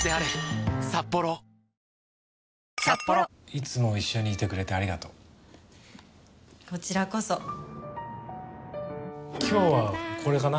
いつも一緒にいてくれてありがとうこちらこそ今日はこれかな